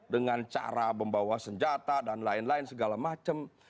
dengan cara membawa senjata dan lain lain segala macam